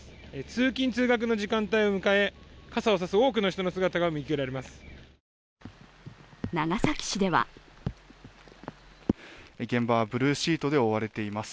通勤・通学の時間帯を迎え傘を差す多くの人の姿が見受けられます。